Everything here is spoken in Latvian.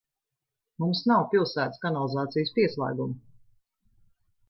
Mums nav pilsētas kanalizācijas pieslēguma.